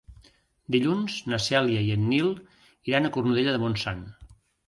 Dilluns na Cèlia i en Nil iran a Cornudella de Montsant.